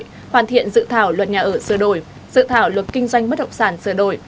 hoàn thiện dự thảo luật nhà ở sửa đổi dự thảo luật kinh doanh mất động sản sửa đổi